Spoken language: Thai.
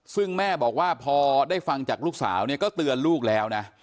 ซึ่งแม่บอกว่าพอได้ฟังจากลูกสาวเนี่ยก็เตือนลูกแล้วนะ